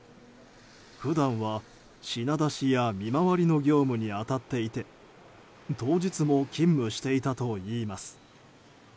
普段は品出しや見回りの業務に当たっていて当日も勤務していたといいます。